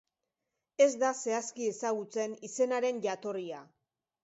Ez da zehazki ezagutzen izenaren jatorria.